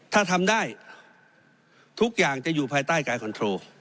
ถ้าทำได้ทุกอย่างจะอยู่ภายใต้การคอนโทร